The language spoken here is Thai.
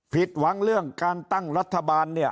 ผิดหวังเรื่องการตั้งรัฐบาลเนี่ย